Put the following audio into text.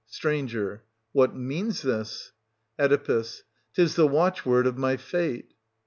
St. What means this? Oe. Tis the watchword of my fate.